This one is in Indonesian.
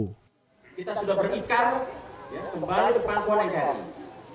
kita sudah berikan kembali ke pakuane